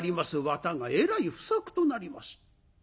綿がえらい不作となりました。